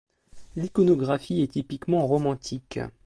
L'iconographie est typiquement romantique.